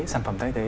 sản phẩm thay thế